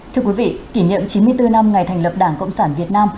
thưa quý vị kỷ niệm chín mươi bốn năm ngày thành lập đảng cộng sản việt nam